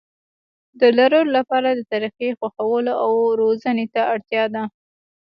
د لرلو لپاره د طريقې خوښولو او روزنې ته اړتيا ده.